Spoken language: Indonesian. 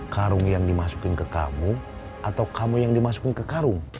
karung yang dimasukin ke kamu atau kamu yang dimasukin ke karung